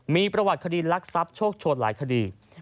มีประวัติคดีรักทรัพย์โชคโชนหลายคดี